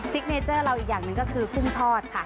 เนเจอร์เราอีกอย่างหนึ่งก็คือกุ้งทอดค่ะ